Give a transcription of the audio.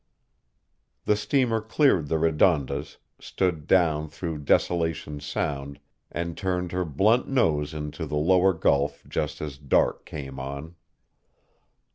The steamer cleared the Redondas, stood down through Desolation Sound and turned her blunt nose into the lower gulf just as dark came on.